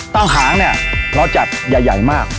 ต้องหางเนี่ยเราจะใหญ่มาก